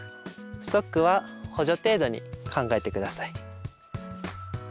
ストックは補助程度に考えて下さい。